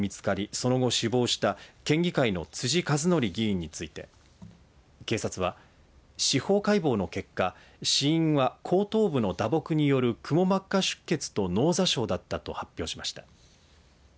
その後、死亡した県議会の辻一憲議員について警察は司法解剖の結果死因は後頭部の打撲によるくも膜下出血と脳挫傷だったと発表しました。